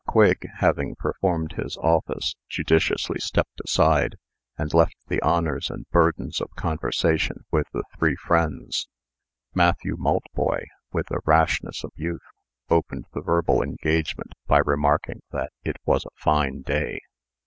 Quigg, having performed his office, judiciously stepped aside, and left the honors and burdens of conversation with the three friends. Matthew Maltboy, with the rashness of youth, opened the verbal engagement, by remarking that it was a fine day.